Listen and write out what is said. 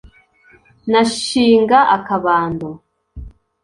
Nashinga akabando